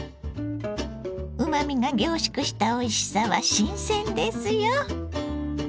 うまみが凝縮したおいしさは新鮮ですよ。